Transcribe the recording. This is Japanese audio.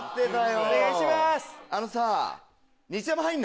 お願いします。